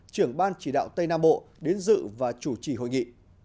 trưởng ban chỉ đạo tây nam bộ đến dự và chủ trì hội nghị